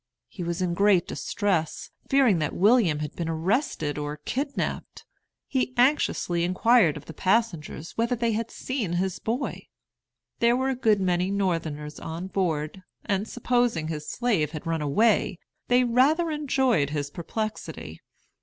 He was in great distress, fearing that William had been arrested or kidnapped. He anxiously inquired of the passengers whether they had seen his boy. There were a good many Northerners on board, and, supposing his slave had run away, they rather enjoyed his perplexity.